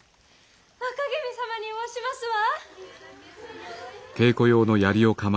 若君様におわしますわ！